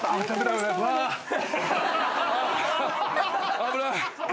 危ない！